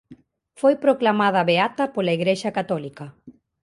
Foi proclamada beata pola Igrexa católica.